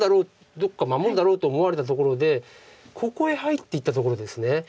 どっか守るだろうと思われたところでここへ入っていったところです。